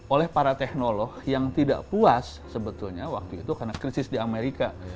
oleh para teknolog yang tidak puas sebetulnya waktu itu karena krisis di amerika